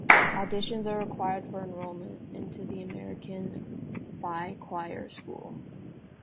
Auditions are required for enrollment into The American Boychoir School.